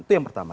itu yang pertama